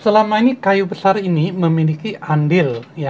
selama ini kayu besar ini memiliki andil